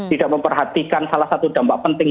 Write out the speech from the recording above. tidak memperhatikan salah satu dampak penting